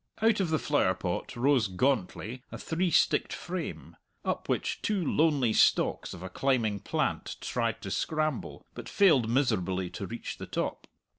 Out of the flowerpot rose gauntly a three sticked frame, up which two lonely stalks of a climbing plant tried to scramble, but failed miserably to reach the top.